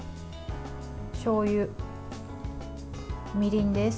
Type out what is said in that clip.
しょうゆ、みりんです。